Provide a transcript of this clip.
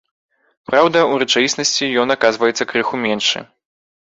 Праўда, у рэчаіснасці ён аказваецца крыху меншы.